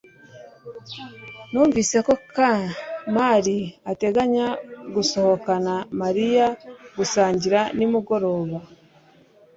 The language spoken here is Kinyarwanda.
numvise ko kamali ateganya gusohokana mariya gusangira nimugoroba